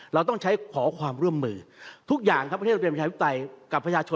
เราต้องใช้ขอความร่วมมือทุกอย่างครับประเทศเป็นประชาธิปไตยกับประชาชน